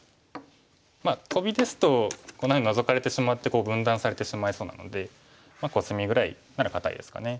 まあトビですとこんなふうにノゾかれてしまって分断されてしまいそうなのでコスミぐらいなら堅いですかね。